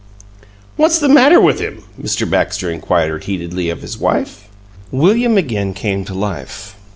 "What's the matter with him?" Mr. Baxter inquired, heatedly, of his wife. William again came to life.